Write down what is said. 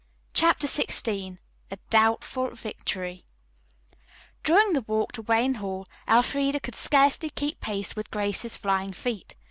CHAPTER XVI A DOUBTFUL VICTORY During the walk to Wayne Hall, Elfreda could scarcely keep pace with Grace's flying feet.